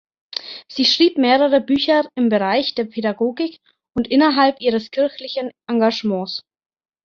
Sie schrieb mehrere Bücher im Bereich der Pädagogik und innerhalb ihres kirchlichen Engagements.